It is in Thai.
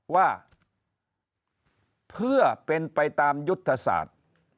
ว่าเพื่อเป็นไปตามยุทธศาสตร์